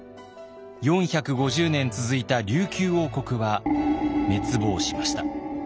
４５０年続いた琉球王国は滅亡しました。